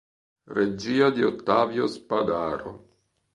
Regia di Ottavio Spadaro.